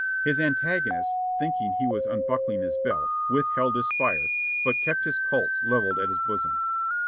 His antagonist, thinking he was unbuckling his belt, withheld his fire, but kept his Colt's levelled at his bosom.